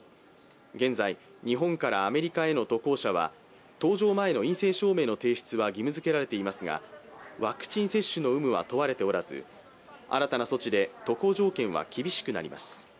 現在、日本からアメリカへの渡航者は搭乗前の陰性証明の提出は義務づけられていますがワクチン接種の有無は問われておらず、新たな措置で渡航条件は厳しくなります。